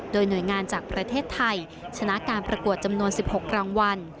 โดยหน่วยงานจากประเทศไทยชนะการประกวดจำนวน๑๖รางวัล